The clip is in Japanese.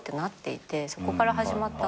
そこから始まったので。